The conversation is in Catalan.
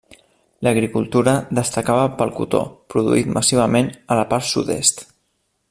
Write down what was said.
L'agricultura destacava pel cotó, produït massivament a la part sud-est.